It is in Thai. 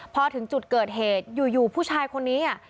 พอถึงจุดเกิดเหตุอยู่ผู้ชายคนนี้